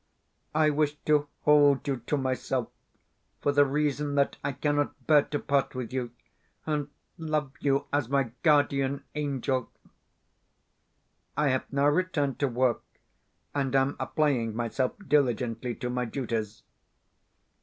I wish to hold you to myself, for the reason that I cannot bear to part with you, and love you as my guardian angel.... I have now returned to work, and am applying myself diligently to my duties.